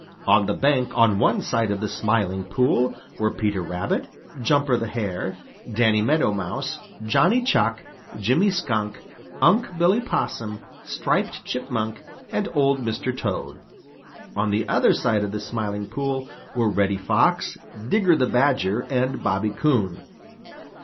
On the bank on one side of the Smiling Pool were Peter Rabbit, Jumper the Hare, Danny Meadow Mouse, Johnny Chuck, Jimmy Skunk, Unc' Billy Possum, Striped Chipmunk and Old Mr. Toad. On the other side of the Smiling Pool were Reddy Fox, Digger the Badger, and Bobby Coon.